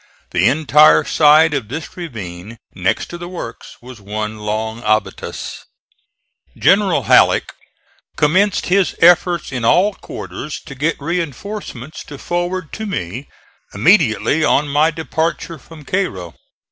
The entire side of this ravine next to the works was one long abatis. General Halleck commenced his efforts in all quarters to get reinforcements to forward to me immediately on my departure from Cairo.